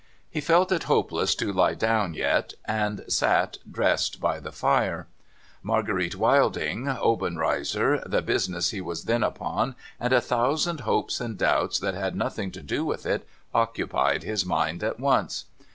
He felt it hopeless to lie down yet, and sat dressed by the fire. Marguerite, Wilding, Obenreizer, the business he was then upon, and a thousand hopes and doubts that had nothing to do with it, occupied his mind at once.